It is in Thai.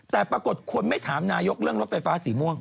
แต่ปรากฏคนไม่ถามนายกเรื่องรถไฟฟ้าสีม่วง